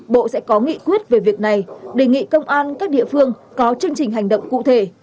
bộ sẽ có nghị quyết về việc này đề nghị công an các địa phương có chương trình hành động cụ thể